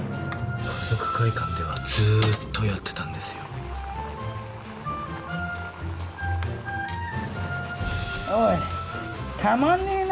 華族会館ではずーっとやってたんですよおいたまんねえな